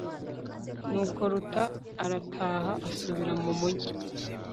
nuko ruta arataha, asubira mu mugi